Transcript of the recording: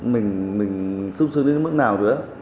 mình sung sưng đến mức nào nữa